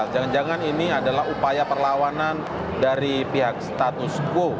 jangan jangan ini adalah upaya perlawanan dari pihak status quo